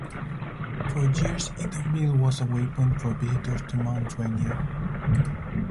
For years Eatonville was a waypoint for visitors to Mount Rainier.